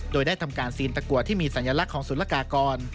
โดยได้ทำการซีนตะกัวที่มีสัญลักษณ์ของศูนยากากร